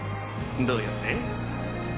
どうやって？